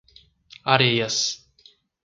Areias